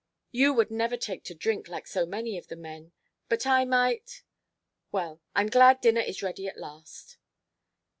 You would never take to drink like so many of the men, but I might well, I'm glad dinner is ready at last."